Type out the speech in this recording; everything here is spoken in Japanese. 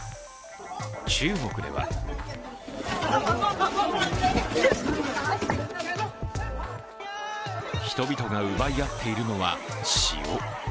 中国では人々が奪い合っているのは塩。